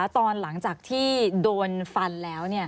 ตอนหลังจากที่โดนฟันแล้ว